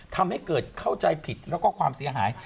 ทำให้เกิดเข้าใจผิดแล้วก็ความเสียหาย